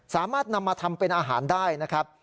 สามารถนำมาทำเป็นอาหารได้นะครับ